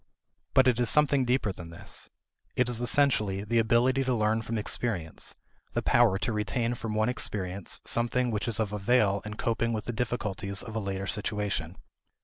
But it is something deeper than this. It is essentially the ability to learn from experience; the power to retain from one experience something which is of avail in coping with the difficulties of a later situation.